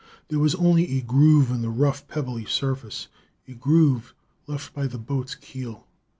There was only a groove in the rough, pebbly surface, a groove left by the boat's keel.